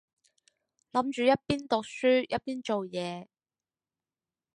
諗住一邊讀書一邊做嘢